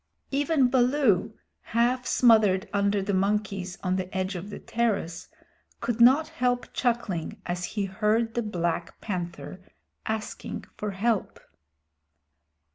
Even Baloo, half smothered under the monkeys on the edge of the terrace, could not help chuckling as he heard the Black Panther asking for help.